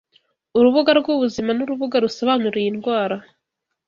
Urubuga rw’ ubuzima n’urubuga rusobanura iyi ndwara